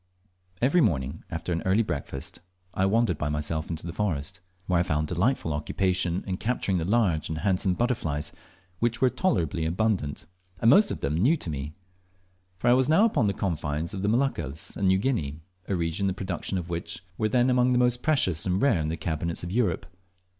Each morning after an early breakfast I wandered by myself into the forest, where I found delightful occupation in capturing the large and handsome butterflies, which were tolerably abundant, and most of them new to me; for I was now upon the confines of the Moluccas and New Guinea, a region the productions of which were then among the most precious and rare in the cabinets of Europe.